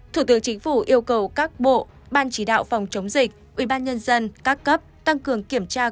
thủ tướng chính phủ yêu cầu các bộ ban chỉ đạo phòng chống dịch ủy ban nhân dân các cấp